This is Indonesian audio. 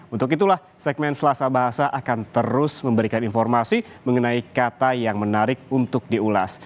untuk itulah segmen selasa bahasa akan terus memberikan informasi mengenai kata yang menarik untuk diulas